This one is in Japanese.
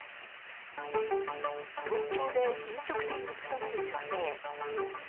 東京で飲食店に勤める女性。